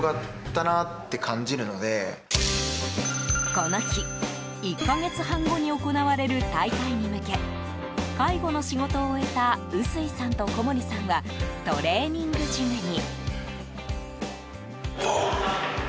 この日１か月半後に行われる大会に向け介護の仕事を終えた薄井さんと小森さんはトレーニングジムに。